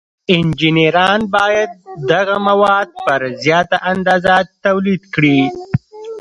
انجینران باید دغه مواد په زیاته اندازه تولید کړي.